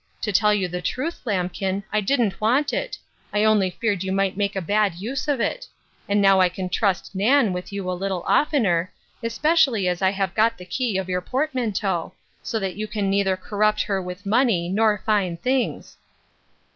To tell you the truth, lambkin, I didn't want it. I only feared you might make a bad use of it; and now I can trust Nan with you a little oftener, especially as I have got the key of your portmanteau; so that you can neither corrupt her with money, nor fine things.